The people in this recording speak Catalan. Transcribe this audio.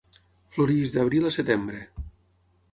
Floreix d'abril a setembre.